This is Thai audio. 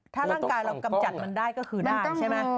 ถ้าร่างกายเรากำจัดมันได้ก็คือได้ใช่ไหม